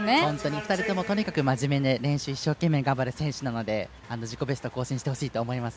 ２人ともとにかくまじめで練習を頑張っているので自己ベストを更新してほしいと思います。